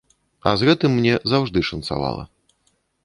А з гэтым мне заўжды шанцавала.